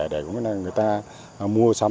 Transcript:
để người ta mua sắm